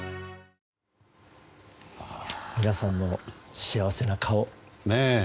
皆さんの幸せな顔。